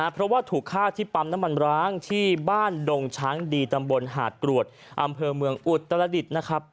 เพราะว่าถูกฆ่าที่ปั๊มน้ำมันร้างที่บ้านดงช้างดีตำบลหาดกรวดอำเภอเมืองอุตรดิษฐ์นะครับ